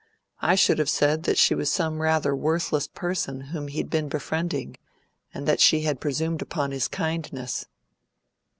I should have said she was some rather worthless person whom he'd been befriending, and that she had presumed upon his kindness."